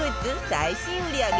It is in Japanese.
最新売り上げ